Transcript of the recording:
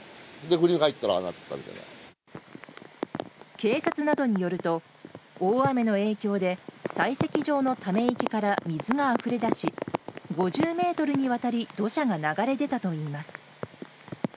警察などによると大雨の影響で採石場のため池から水があふれ出し、５０ｍにわたり土砂が流れ出たといいます。